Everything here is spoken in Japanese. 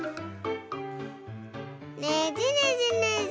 ねじねじねじ。